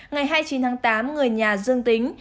ngày hai mươi chín tháng tám người nhà dương tính